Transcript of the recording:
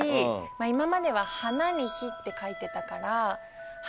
今までは花に火って書いてたから。